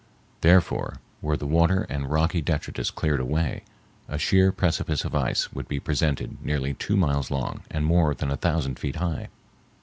Therefore, were the water and rocky detritus cleared away, a sheer precipice of ice would be presented nearly two miles long and more than a thousand feet high.